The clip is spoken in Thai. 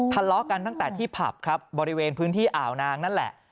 ทะเลาะกันตั้งแต่ที่ผับครับบริเวณพื้นที่อ่าวนางนั่นแหละ